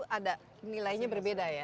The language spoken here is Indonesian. ada nilainya berbeda ya